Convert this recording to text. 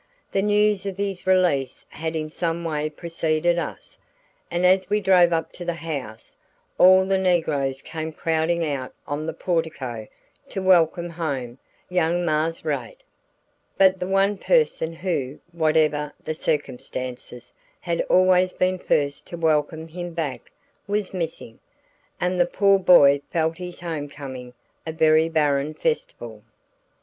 The news of his release had in some way preceded us, and as we drove up to the house, all the negroes came crowding out on the portico to welcome home "young Marse Rad." But the one person who whatever the circumstances had always been first to welcome him back, was missing; and the poor boy felt his home coming a very barren festival.